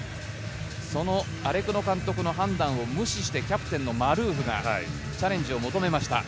そのアレクノ監督の判断を無視して、キャプテンのマルーフがチャレンジを求めました。